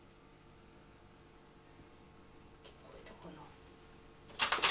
聞こえたかな？